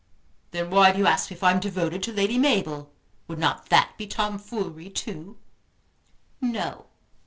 "Then why do you ask me if I am devoted to Lady Mabel? Would not that be tomfoolery too?" "No.